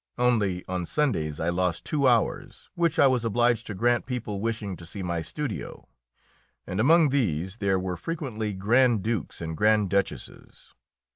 Only on Sundays I lost two hours, which I was obliged to grant people wishing to see my studio, and among these there were frequently grand dukes and grand duchesses.